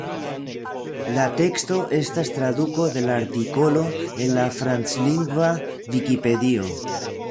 La teksto estas traduko de la artikolo en la franclingva Vikipedio.